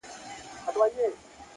غزل نه نېښ ساز کړي لړم ساز کړي;